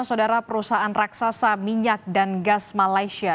saudara perusahaan raksasa minyak dan gas malaysia